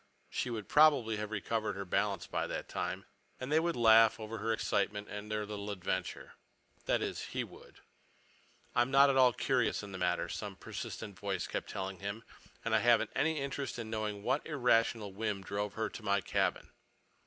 She would probably have recovered her balance by that time, and they would laugh over her excitement and their little adventure. That is, he would. "I'm not at all curious in the matter," some persistent voice kept telling him, "and I haven't any interest in knowing what irrational whim drove her to my cabin."